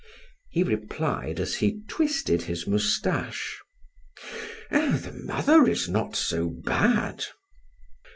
He replied as he twisted his mustache: "Eh! the mother is not so bad!"